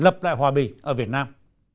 nhằm lập lại hòa bình ở việt nam